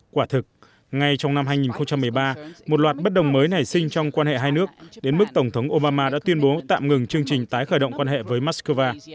quả thực ngay trong năm hai nghìn một mươi ba một loạt bất đồng mới nảy sinh trong quan hệ hai nước đến mức tổng thống obama đã tuyên bố tạm ngừng chương trình tái khởi động quan hệ với moscow